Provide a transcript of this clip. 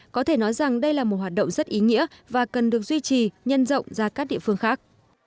có thể nói rằng đây là một hoạt động rất ý nghĩa và cần được duy trì nhân rộng ra các địa phương khác